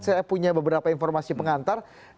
saya punya beberapa informasi pengantar